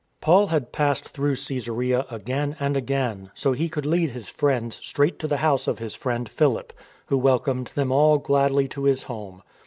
Paul had passed through Csesarea again and again, so he could lead his friends straight to the house of his friend Philip, who welcomed them all gladly to his home.